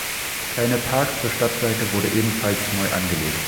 Der kleine Park zur Stadtseite wurde ebenfalls neu angelegt.